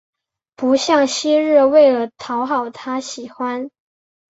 不像昔日为了讨他喜欢